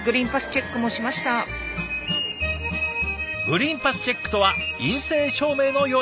グリーンパスチェックとは陰性証明のようなもの。